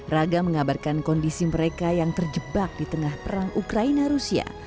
raga mengabarkan kondisi mereka yang terjebak di tengah perang ukraina rusia